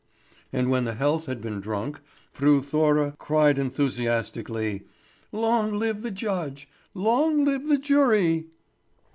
And when the health had been drunk, Fru Thora cried enthusiastically: "Long live the judge! Long live the jury!"